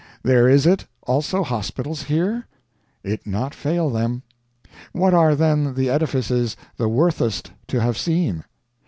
There is it also hospitals here? It not fail them. What are then the edifices the worthest to have seen?